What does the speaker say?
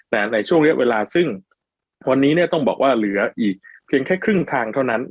แต่ในช่วงเวลาซึ่งต้องบอกว่าเหลือเพียงแค่ครึ่งทางเท่านั้น